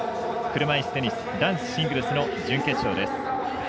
車いすテニス男子シングルスの準決勝です。